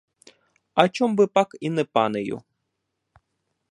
А чом би пак і не панею?